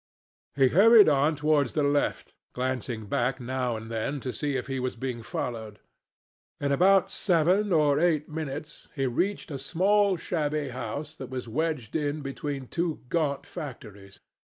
He hurried on towards the left, glancing back now and then to see if he was being followed. In about seven or eight minutes he reached a small shabby house that was wedged in between two gaunt factories.